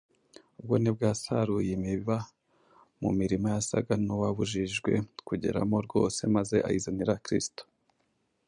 ubwo nibwo yasaruye imiba mu mirima yasaga n’uwabujijwe kugeramo rwose maze ayizanira Kristo.